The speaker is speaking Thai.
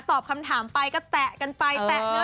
ตอบคำถามไปก็แทะกันไป